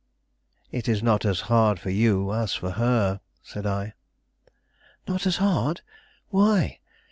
"It is not as hard for you as for her," said I. "Not as hard? Why?